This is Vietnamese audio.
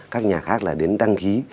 các nhà khác là đến đăng khí